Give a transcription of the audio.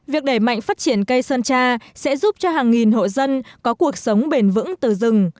việc đẩy mạnh phát triển cây sơn tra sẽ giúp cho hàng nghìn hộ dân có cuộc sống bền vững từ rừng